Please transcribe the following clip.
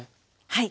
はい。